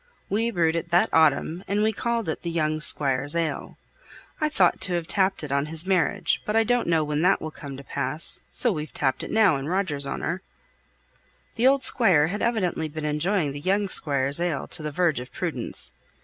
We brewed it that autumn, and we called it the young squire's ale. I thought to have tapped it on his marriage, but I don't know when that will come to pass, so we've tapped it now in Roger's honour." The old squire had evidently been enjoying the young squire's ale to the verge of prudence.